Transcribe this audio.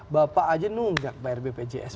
bapak aja nunggak bayar bpjs